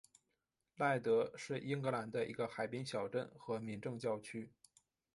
赖德是英格兰的一个海滨小镇和民政教区。